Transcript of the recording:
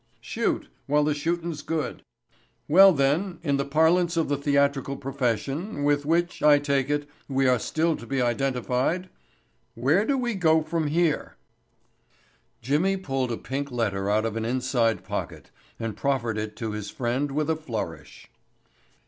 "Shoot—while the shootin's good." "Well, then, in the parlance of the theatrical profession—with which, I take it, we are still to be identified—'where do we go from here?'" Jimmy pulled a pink letter out of an inside pocket and proffered it to his friend with a flourish.